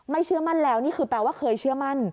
เชื่อมั่นแล้วนี่คือแปลว่าเคยเชื่อมั่น